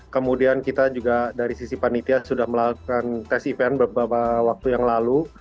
kemudian kita juga dari sisi panitia sudah melakukan tes event beberapa waktu yang lalu